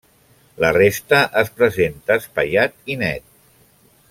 La resta es presenta espaiat i net.